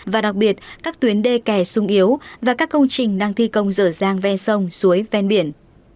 và đặc biệt các tuyến đê kè sung yếu và các công trình đang thi công dở dàng ven sông suối ven biển